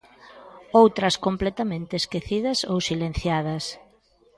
Outras completamente esquecidas ou silenciadas.